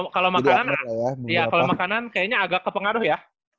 kalau makanan kayaknya agak kepengaruh ya